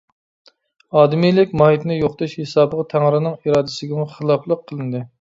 ئادىمىيلىك ماھىيىتىنى يوقىتىش ھېسابىغا تەڭرىنىڭ ئىرادىسىگىمۇ خىلاپلىق قىلىندى.